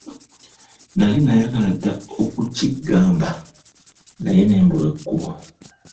Nali nayagala dda okukiggamba naye ne mbulwa ekkubo!